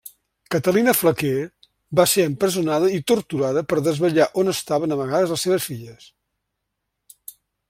Catalina Flaquer va ser empresonada i torturada per desvetllar on estaven amagades les seves filles.